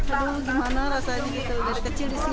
aduh gimana rasanya gitu dari kecil di sini